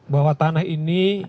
bahwa tanah ini